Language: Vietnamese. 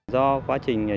nó rất là khó khăn